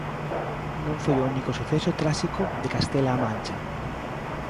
Non foi o único suceso tráxico de Castela a Mancha.